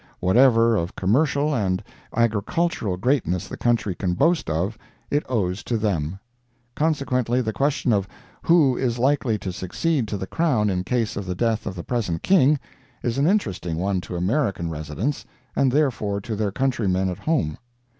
Whatever of commercial and agricultural greatness the country can boast of it owes to them. Consequently the question of who is likely to succeed to the crown in case of the death of the present King, is an interesting one to American residents, and therefore to their countrymen at home.